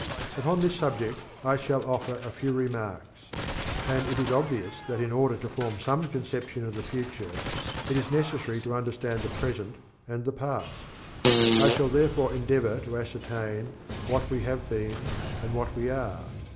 Upon this subject I shall offer a few remarks; and it is obvious that in order to form some conception of the future it is necessary to understand the present and the past. I shall therefore endeavour to ascertain what we have been and what we are.